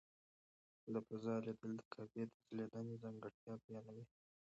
له فضا لیدل د کعبې د ځلېدنې ځانګړتیا بیانوي.